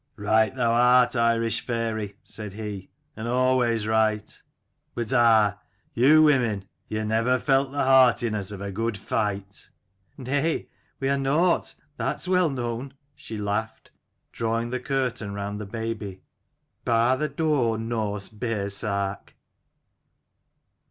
"Right thou art, Irish fairy," said he: "and always right. But ah, you women, you never felt the heartiness of a good fight." " Nay, we are nought: that's well known," she laughed, drawing the curtain round the baby. "Bar the door, Norse bearsark."